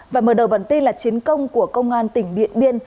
và mở đầu bản tin là chiến công của công an tỉnh điện biên